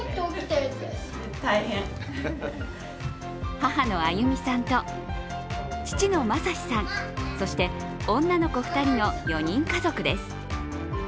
母のあゆみさんと父のまさしさん、そして、女の子２人の４人家族です。